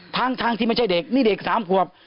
ทางที่มันใช่เด็กนี่เด็ก๓ควบ